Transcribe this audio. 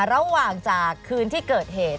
ระหว่างจากคืนที่เกิดเหตุ